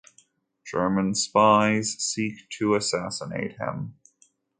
German spies seek to assassinate him.